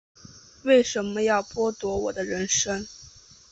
为什么要剥夺我的人生